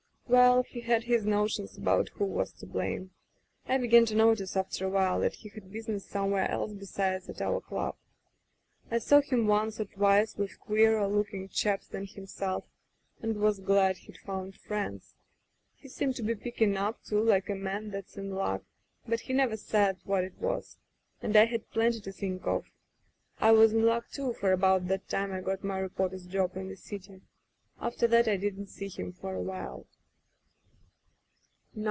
. Well, he had his notions about who was to blame. I began to notice after awhile that he had business somewhere else besides at our club. I saw him once or twice with queerer Digitized by LjOOQ IC Martha looking chaps than himself and was glad heM found friends. He seemed to be picking up, too, like a man that's in luck, but he never said what it was, and I had plenty to think of. I was in luck, too, for about that time I got my reporter's job in the city. After that I didn't see him for awhile.